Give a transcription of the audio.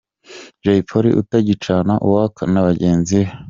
Jay Polly utagicana uwaka na bagenzi be.